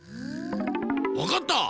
わかった！